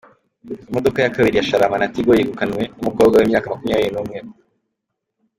Imodoka ya Kabiri ya Sharama na Tigo yegukanwe n’umukobwa w’imyaka Makumyabiri Numwe